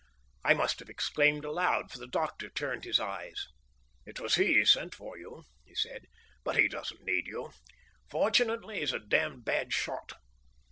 I must have exclaimed aloud, for the doctor turned his eyes. "It was he sent for you," he said, "but he doesn't need you. Fortunately, he's a damned bad shot!"